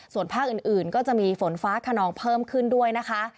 ส่วนภาคอื่นก็จะมีฝนฟ้าขนองเพิ่มขึ้นด้วยนะคะ